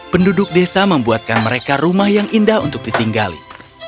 penduduk desa membuatkan mereka rumah yang indah untuk ditinggali